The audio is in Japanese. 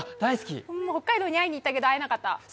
北海道に会いに行ったけど会えなかった。